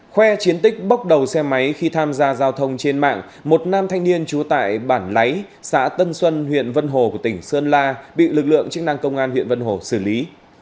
khoe chiến tích bốc đầu xe máy khi tham gia giao thông trên mạng một nam thanh niên trú tại bản lấy xã tân xuân huyện vân hồ của tỉnh sơn la bị lực lượng chức năng công an huyện vân hồ xử lý